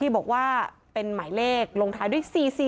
บอกว่าเป็นหมายเลขลงท้ายด้วย๔๔